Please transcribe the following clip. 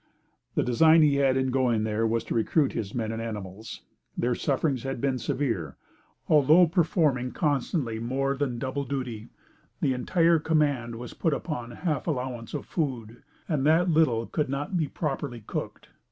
The design he had in going there was to recruit his men and animals. Their sufferings had been severe. Although performing constantly more than double duty, the entire command was put upon half allowance of food, and that little could not be properly cooked.